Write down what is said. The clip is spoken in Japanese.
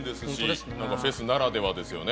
フェスならではですよね。